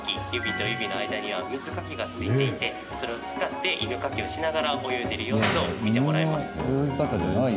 指と指の間には水かきがついていてそれを使って犬かきをしながら泳いでいる様子を見てもらえます。